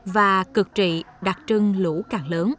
và cực trị đặc trưng lúc